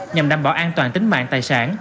nhằm đảm bảo an toàn tính mạng tài sản